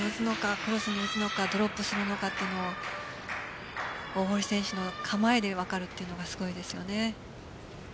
クロスに打つのかドロップするのか大堀選手の構えで分かるというのがすごいですよね。